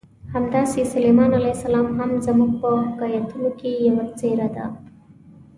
همداسې سلیمان علیه السلام هم زموږ په حکایتونو کې یوه څېره ده.